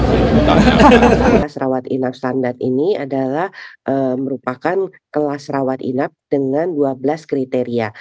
fasilitas rawat inap standar ini adalah merupakan kelas rawat inap dengan dua belas kriteria